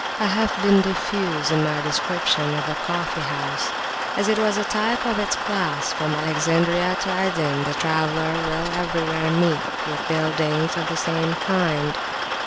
I have been diffuse in my description of the coffee house, as it was a type of its class: from Alexandria to Aden the traveller will everywhere meet with buildings of the same kind.